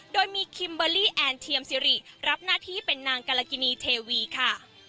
โดยมีคิมเบอร์รี่แอนเทียมซิริรับหน้าที่เป็นนางกรกินีเทวีค่ะ